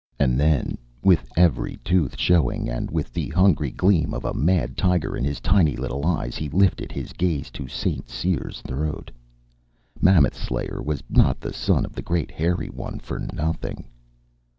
And then, with every tooth showing, and with the hungry gleam of a mad tiger in his tiny little eyes, he lifted his gaze to St. Cyr's throat. Mammoth Slayer was not the son of the Great Hairy One for nothing.